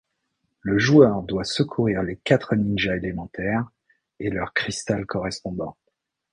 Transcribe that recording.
Le joueur doit secourir les quatre ninjas élémentaires et leur cristal correspondant.